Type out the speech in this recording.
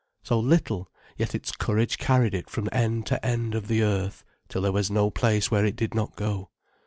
So little, yet its courage carried it from end to end of the earth, till there was no place where it did not go.